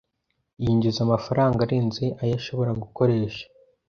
Yinjiza amafaranga arenze ayo ashobora gukoresha.